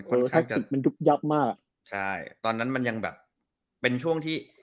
ค่อนข้างจะมันดุ๊กยับมากใช่ตอนนั้นมันยังแบบเป็นช่วงที่